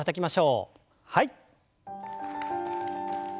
はい。